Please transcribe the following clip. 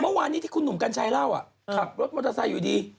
เมื่อวานนี้ที่คุณหนุ่มกัญชัยเล่าขับรถมอเตอร์ไซค์อยู่ดี